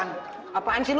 ya udah kita berdua